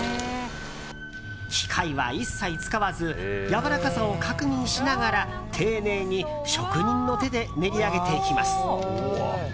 機械は一切使わずやわらかさを確認しながら丁寧に職人の手で練り上げていきます。